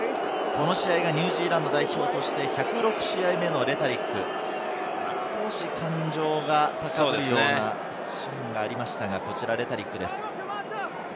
この試合がニュージーランド代表として、１０６試合目のレタリック、少し感情が高ぶるようなシーンがありました。